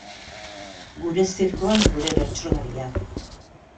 Gure zirkoan gure bertsolariak.